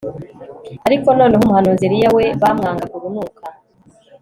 ariko noneho umuhanuzi Eliya we bamwangaga urunuka